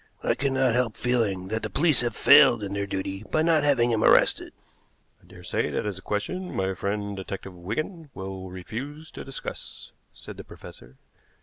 I cannot help feeling that the police have failed in their duty by not having him arrested." "I daresay that is a question my friend Detective Wigan will refuse to discuss," said the professor.